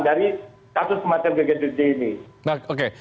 dari kasus kematian brigadir jni